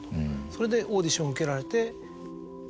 それでオーディションを受けられて。